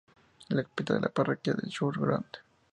La capital de la parroquia es Church Ground.